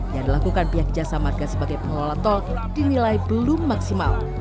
yang dilakukan pihak jasa marga sebagai pengelola tol dinilai belum maksimal